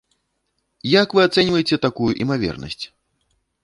Як вы ацэньваеце такую імавернасць?